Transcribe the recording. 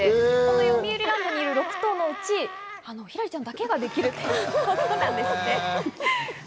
よみうりランドにいる６頭のうち、ひらりちゃんだけができるということです。